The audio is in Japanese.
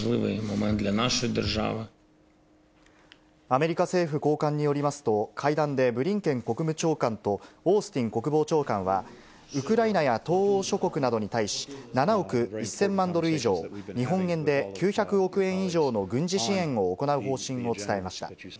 アメリカ政府高官によりますと、会談でブリンケン国務長官とオースティン国防長官は、ウクライナや東欧諸国などに対し、７億１０００万ドル以上、日本円で９００億円以上の軍事支援を行う方針を伝えました。